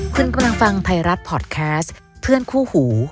คุณกำลังฟังไทยรัฐพอร์ตแคสต์เพื่อนคู่หู